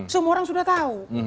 semua orang sudah tahu